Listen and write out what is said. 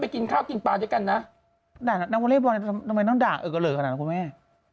ไปกินข้าวกินปลาด้วยกันนะด่าน้องวัลเลบอลทำไมน้องด่าเอ่อก็เหลือขนาดน้องคุณแม่